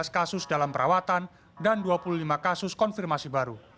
satu ratus sembilan belas kasus dalam perawatan dan dua puluh lima kasus konfirmasi baru